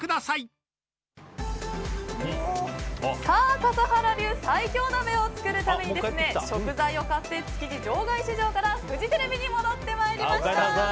笠原流最強鍋を作るために食材を買って築地場外市場からフジテレビに戻ってまいりました。